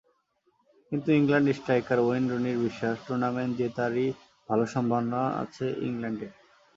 কিন্তু England striker Wayne রুনির বিশ্বাস, টুর্নামেন্ট জেতারই ভালো সম্ভাবনা আছে ইংল্যান্ডের।